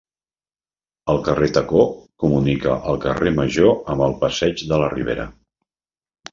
El carrer Tacó comunica el carrer Major amb el passeig de la Ribera.